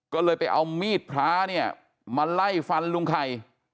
ก็เลยไปเอามีดพลามาไล่ฟันลุงไข่